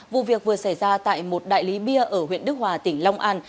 vụ việc vừa xảy ra tại một đại lý bia ở huyện đức hòa tỉnh long an